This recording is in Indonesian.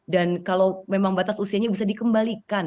dan kalau memang batas usianya bisa dikembalikan